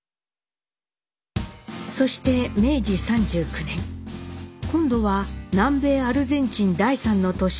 そして明治３９年今度は南米アルゼンチン第三の都市